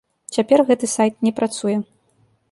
Цяпер гэты сайт не працуе.